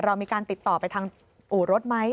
เรามีการติดต่อไปทางอู่รถไหม